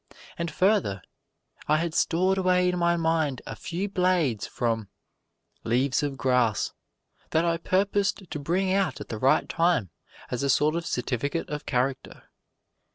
And further I had stored away in my mind a few blades from "Leaves of Grass" that I purposed to bring out at the right time as a sort of certificate of character.